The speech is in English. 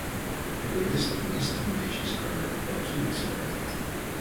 The greatest and least culminations occur about two weeks apart.